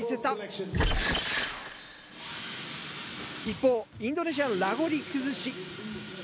一方インドネシアのラゴリ崩し。